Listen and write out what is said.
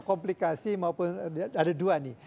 komplikasi maupun ada dua nih